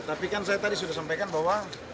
tapi kan saya tadi sudah sampaikan bahwa